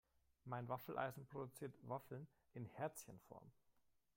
Mein Waffeleisen produziert Waffeln in Herzchenform.